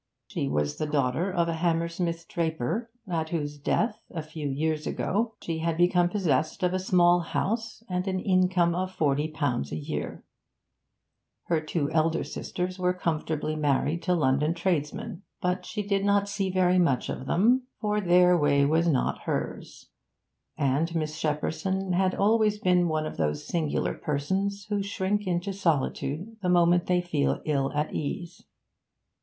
She was the daughter of a Hammersmith draper, at whose death, a few years ago, she had become possessed of a small house and an income of forty pounds a year; her two elder sisters were comfortably married to London tradesmen, but she did not see very much of them, for their ways were not hers, and Miss Shepperson had always been one of those singular persons who shrink into solitude the moment they feel ill at ease.